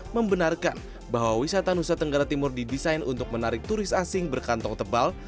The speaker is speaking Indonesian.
membenarkan bahwa wisata nusa tenggara timur didesain untuk menarik turis asing berkantong tebal